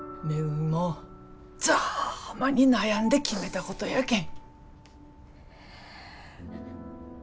みもざぁまに悩んで決めたことやけん。